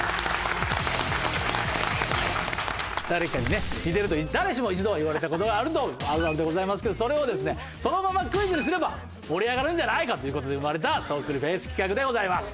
誰かにね似てると誰しも一度は言われた事があるとあるあるでございますけどそれをですねそのままクイズにすれば盛り上がるんじゃないかという事で生まれたそっくりフェイス企画でございます。